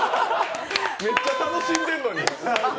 めっちゃ楽しんでんのに。